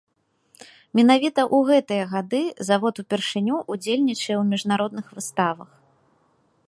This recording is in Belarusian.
Менавіта ў гэтыя гады завод упершыню ўдзельнічае ў міжнародных выставах.